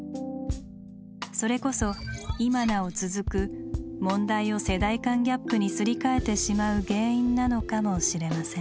それこそ今なお続く問題を「世代間ギャップ」にすり替えてしまう原因なのかもしれません。